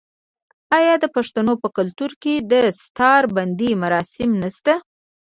آیا د پښتنو په کلتور کې د دستار بندی مراسم نشته؟